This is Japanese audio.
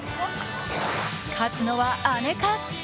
勝つのは姉か？